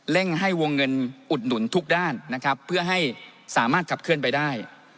ให้วงเงินอุดหนุนทุกด้านนะครับเพื่อให้สามารถขับเคลื่อนไปได้